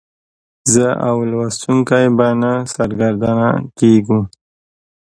زه او لوستونکی به نه سرګردانه کیږو.